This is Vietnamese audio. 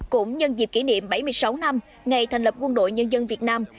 cũng nhân dịp kỷ niệm bảy mươi sáu năm ngày thành lập quân đội nhân dân việt nam